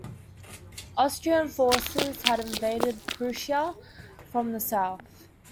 Austrian forces had invaded Prussia from the south.